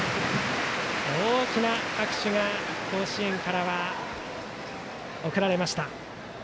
大きな拍手が甲子園からは送られました。